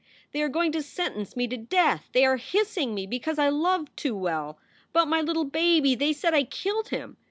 They are going to sentence me to death! They are hissing me because I loved too well! But my little baby! They said I killed him!